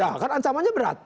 ya karena ancamannya berat